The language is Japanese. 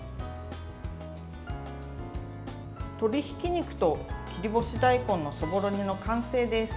鶏ひき肉と切り干し大根のそぼろ煮の完成です。